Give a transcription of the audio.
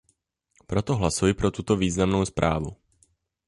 Proto hlasuji pro tuto významnou zprávu.